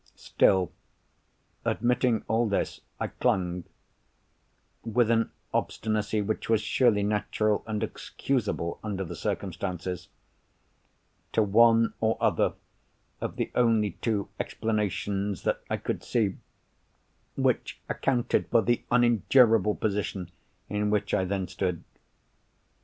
Still, admitting all this, I clung—with an obstinacy which was surely natural and excusable, under the circumstances—to one or other of the only two explanations that I could see which accounted for the unendurable position in which I then stood.